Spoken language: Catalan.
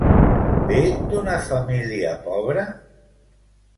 Ve d'una família pobra?